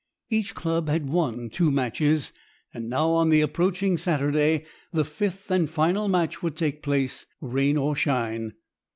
Each club had won two matches, and now on the approaching Saturday the fifth and final match would take place, rain or shine.